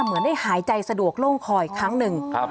เหมือนได้หายใจสะดวกโล่งคออีกครั้งหนึ่ง